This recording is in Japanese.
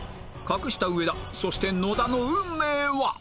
隠した上田そして野田の運命は！？